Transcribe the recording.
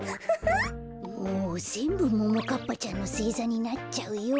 もうぜんぶももかっぱちゃんのせいざになっちゃうよ。